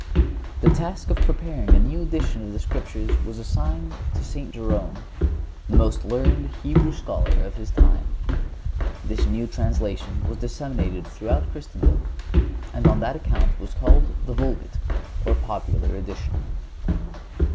The task of preparing a new edition of the Scriptures was assigned to St. Jerome, the most learned Hebrew scholar of his time. This new translation was disseminated throughout Christendom, and on that account was called the Vulgate, or popular edition.